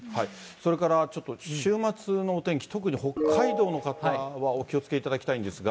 それからちょっと週末のお天気、特に北海道の方はお気をつけいただきたいんですが。